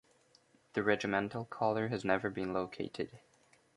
The regimental colour has never been located.